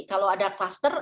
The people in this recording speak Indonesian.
kalau ada kluster